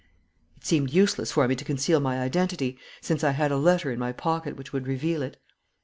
It seemed useless for me to conceal my identity, since I had a letter in my pocket which would reveal it.